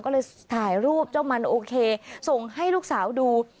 ก็เลยถ่ายรูปเจ้ามันโอเคส่งให้ลูกสาวดู